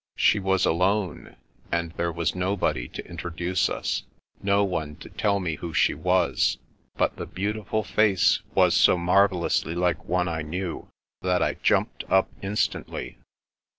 She was alone, and there was nobody to introduce us, no one to tell me who she was, but the beautiful face was so marvellously like one I 362 The Princess Passes knew, that I jumped up instantly.